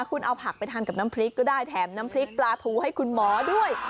คุณเอาผักไปทานกับน้ำพริกก็ได้แถมน้ำพริกปลาทูให้คุณหมอด้วย